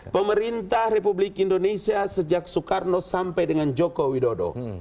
pemerintah republik indonesia sejak soekarno sampai dengan joko widodo